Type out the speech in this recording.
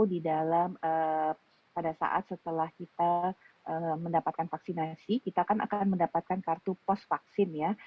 di dalam pada saat setelah kita mendapatkan vaksinasi kita akan mendapatkan kartu pos vaksin ya